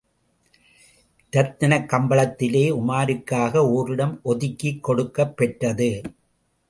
இரத்தினக் கம்பளத்திலே, உமாருக்காக ஓரிடம் ஒதுக்கிக் கொடுக்கப் பெற்றது.